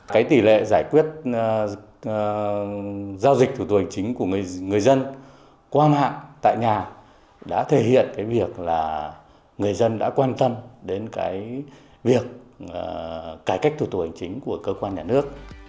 cái tỷ lệ giải quyết giao dịch thủ tục hành chính của người dân qua mạng tại nhà đã thể hiện cái việc là người dân đã quan tâm đến cái việc cải cách thủ tục hành chính của cơ quan nhà nước